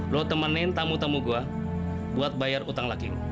lo temenin tamu tamu gue buat bayar utang lagi